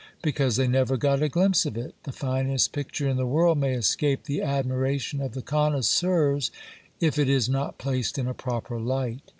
Because they never got a glimpse of it. The finest picture in the world may escape the admiration of the connoisseurs, if it is not placed in a proper light.